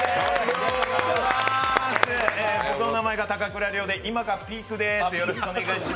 僕の名前が高倉陵で、今がピークです。